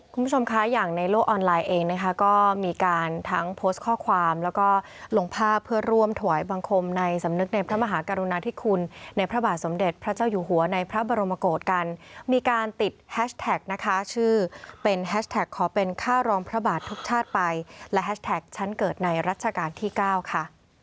คุณผู้ชมคะอย่างในโลกออนไลน์เองนะคะก็มีการทั้งโพสต์ข้อความแล้วก็ลงภาพเพื่อร่วมถวายบังคมในสำนึกในพระมหากรุณาธิคุณในพระบาทสมเด็จพระเจ้าอยู่หัวในพระบรมโกศกันมีการติดแฮชแท็กนะคะชื่อเป็นแฮชแท็กขอเป็นค่ารองพระบาททุกชาติไปและแฮชแท็กฉันเกิดในรัชกาลที่เก้าค่ะ